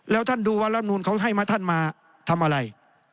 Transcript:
แล้วท่านดูวันทำนูลเขาให้ค่อยมาทำอะไร